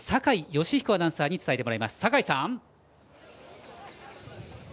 酒井良彦アナウンサーに伝えてもらいます。